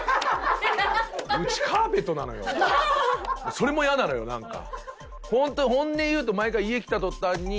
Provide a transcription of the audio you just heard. それも嫌なのよなんか。